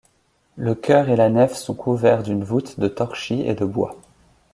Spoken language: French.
Le chœur et la nef sont couverts d'une voûte de torchis et de bois.